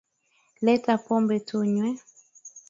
Leta pombe tunywe